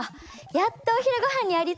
やっとお昼ごはんにありつける！